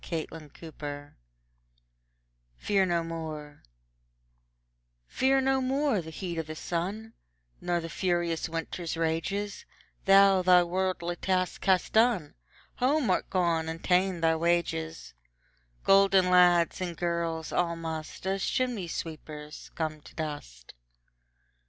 William Shakespeare Fear No More Fear no more the heat o' the sun; Nor the furious winter's rages, Thou thy worldly task hast done, Home art gone, and ta'en thy wages; Golden lads and girls all must, As chimney sweepers come to dust.